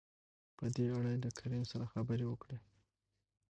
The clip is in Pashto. په دې اړه يې له کريم سره خبرې وکړې.